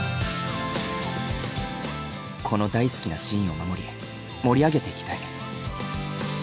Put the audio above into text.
この大好きなシーンを守り盛り上げていきたい。